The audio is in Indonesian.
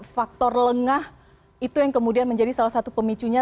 faktor lengah itu yang kemudian menjadi salah satu pemicunya